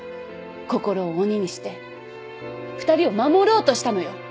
心を鬼にして２人を守ろうとしたのよ。